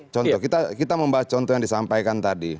contoh kita membahas contoh yang disampaikan tadi